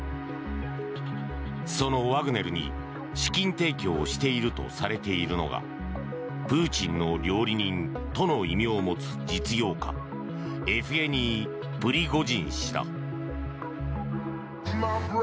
そのワグネルに資金提供をしているとされているのがプーチンの料理人との異名を持つ実業家エフゲニー・プリゴジン氏だ。